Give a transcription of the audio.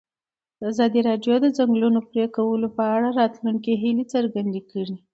ازادي راډیو د د ځنګلونو پرېکول په اړه د راتلونکي هیلې څرګندې کړې.